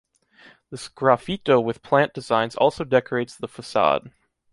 The sgraffito with plant designs also decorates the façade.